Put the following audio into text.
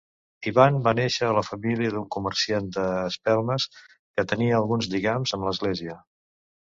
Ivan va néixer a la família d'un comerciant d'espelmes que tenia alguns lligams amb l'Església.